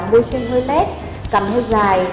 môi trên hơi tét cằm hơi dài